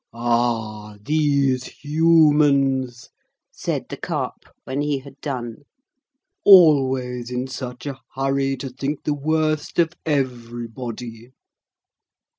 'Ah! these humans!' said the Carp when he had done. 'Always in such a hurry to think the worst of everybody!'